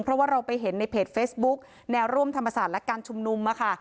เพราะว่าเราไปเห็นในเพจเฟซบุ๊คแนวร่วมธรรมศาสตร์และการชุมนุม